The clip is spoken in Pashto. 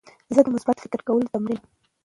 زه د مثبت فکر کولو تمرین کوم.